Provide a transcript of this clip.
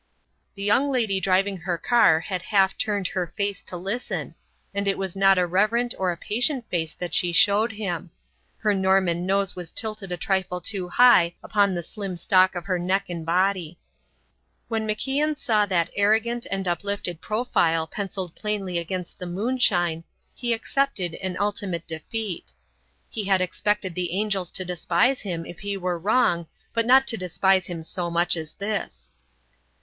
The young lady driving her car had half turned her face to listen; and it was not a reverent or a patient face that she showed him. Her Norman nose was tilted a trifle too high upon the slim stalk of her neck and body. When MacIan saw that arrogant and uplifted profile pencilled plainly against the moonshine, he accepted an ultimate defeat. He had expected the angels to despise him if he were wrong, but not to despise him so much as this.